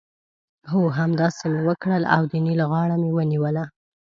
هو! همداسې مې وکړل او د نېل غاړه مې ونیوله.